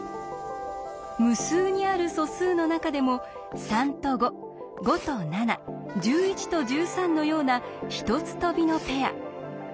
無数にある素数の中でも３と５５と７１１と１３のような１つ飛びのペア。